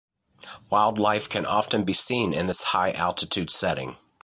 Wildlife can often be seen in this high altitude setting.